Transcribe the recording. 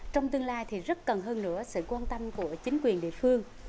trong tương lai thì rất cần hơn nữa sự quan tâm của chính quyền địa phương